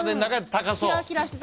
キラキラして。